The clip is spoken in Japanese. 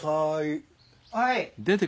はい。